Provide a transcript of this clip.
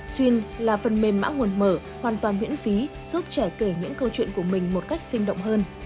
twin là phần mềm mã nguồn mở hoàn toàn miễn phí giúp trẻ kể những câu chuyện của mình một cách sinh động hơn